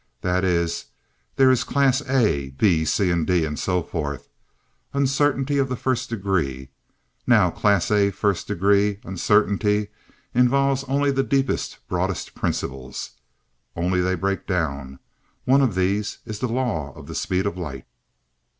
That is, there is Class A, B, C, D, and so forth Uncertainty of the First Degree. Now Class A First Degree Uncertainty involves only the deepest, broadest principles. Only they break down. One of these is the law of the speed of light.